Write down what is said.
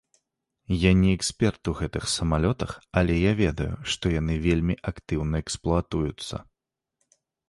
Я не эксперт у гэтых самалётах, але я ведаю, што яны вельмі актыўна эксплуатуюцца.